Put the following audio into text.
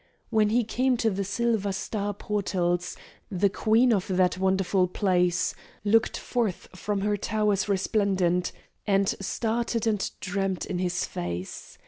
When he came to the silver star portals, The Queen of that wonderful place Looked forth from her towers resplendent, And started, and dreamed in his face.